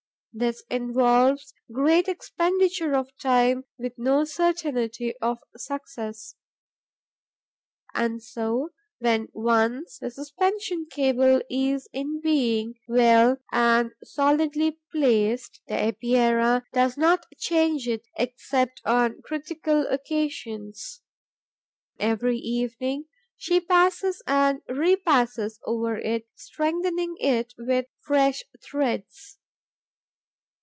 This involves great expenditure of time, with no certainty of success. And so, when once the suspension cable is in being, well and solidly placed, the Epeira does not change it, except on critical occasions. Every evening, she passes and repasses over it, strengthening it with fresh threads.